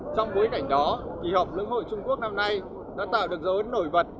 trong bối cảnh đó kỳ họp lưỡng hội trung quốc năm nay đã tạo được dấu ấn nổi bật